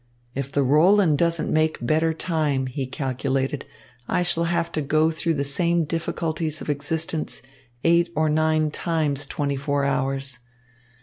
"If the Roland doesn't make better time," he calculated, "I shall have to go through the same difficulties of existence eight or nine times twenty four hours.